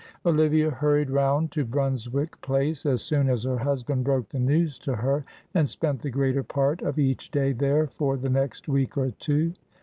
Olivia hurried round to Brunswick Place as soon as her husband broke the news to her, and spent the greater part of each day there for the next week or two.